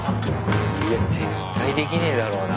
いや絶対できねえだろうな。